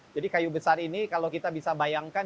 jadi kayu besar ini kalau kita bisa bayangkan